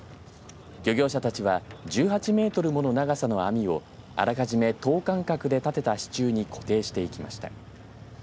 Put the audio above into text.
漁業者たちは１８メートルもの長さの網をあらかじめ等間隔で立てた支柱に固定していきました。